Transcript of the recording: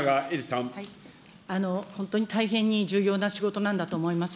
本当に大変に重要な仕事なんだと思います。